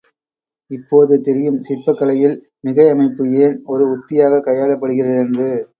இப்போது தெரியும் சிற்பக் கலையில் மிகை அமைப்பு ஏன் ஒரு உத்தியாகக் கையாளப்படுகிறது என்று.